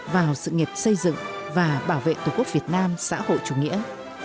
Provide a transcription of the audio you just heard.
vào sự nghiệp xây dựng và bảo vệ tổ quốc việt nam xã hội chủ nghĩa